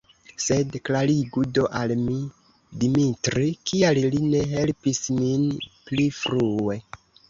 Sed klarigu do al mi, Dimitri, kial li ne helpis min pli frue.